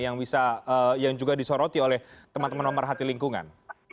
yang juga disoroti oleh teman teman nomor hati lingkungan